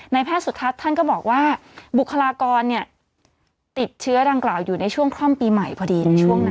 แพทย์สุทัศน์ท่านก็บอกว่าบุคลากรติดเชื้อดังกล่าวอยู่ในช่วงคล่อมปีใหม่พอดีในช่วงนั้น